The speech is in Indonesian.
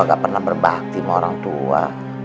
gak pernah berbakti sama orang tua